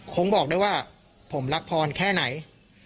คงบอกได้ว่าผมรักพรแค่ไหน